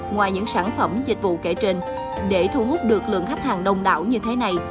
ngoài những sản phẩm dịch vụ kể trên để thu hút được lượng khách hàng đông đảo như thế này